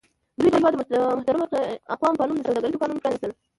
دوی د هېواد د محترمو اقوامو په نوم د سوداګرۍ دوکانونه پرانیستل.